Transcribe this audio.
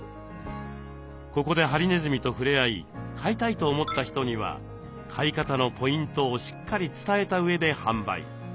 ここでハリネズミとふれあい飼いたいと思った人には飼い方のポイントをしっかり伝えたうえで販売。